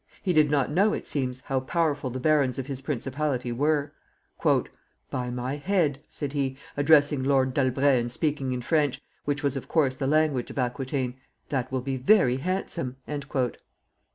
He did not know, it seems, how powerful the barons of his principality were. "By my head!" said he, addressing Lord D'Albret and speaking in French, which was, of course, the language of Aquitaine, "that will be very handsome."